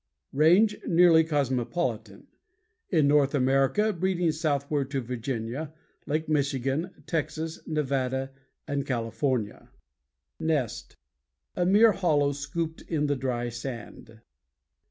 _ RANGE Nearly cosmopolitan; in North America, breeding southward to Virginia, Lake Michigan, Texas, Nevada, and California. NEST A mere hollow scooped in the dry sand.